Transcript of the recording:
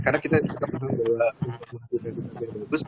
karena kita suka bahwa untuk maksudnya kita berbentuk